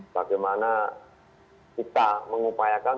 bagaimana kita mengupayakan